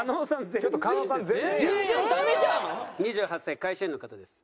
２８歳会社員の方です。